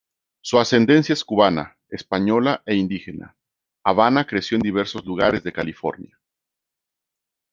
Su ascendencia es cubana, española e indígena. Havana creció en diversos lugares de California.